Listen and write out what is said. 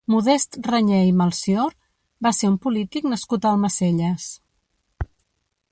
Modest Reñé i Melcior va ser un polític nascut a Almacelles.